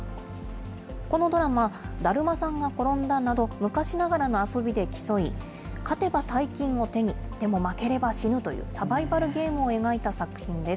このドラマ、だるまさんが転んだなど、昔ながらの遊びで競い、勝てば大金を手に、でも負ければ死ぬという、サバイバルゲームを描いた作品です。